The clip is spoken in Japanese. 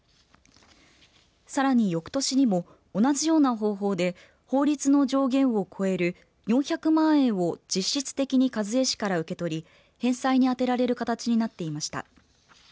さらに、よくとしにも同じような方法で法律の上限を超える４００万円を実質的に一衛氏から受け取り返済に充てられる形になっていました。